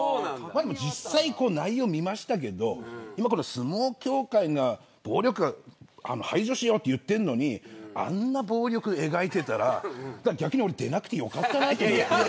実際、内容見ましたけど相撲協会が暴力を排除しようと言ってるのにあんな暴力描いてたら逆に俺出なくてよかったなと。